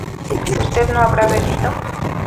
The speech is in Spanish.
usted no habrá bebido